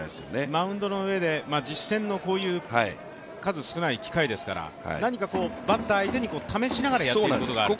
マウンドの上で、実戦の数少ない機会ですから、バッター相手に何か試しながらやっていることがある？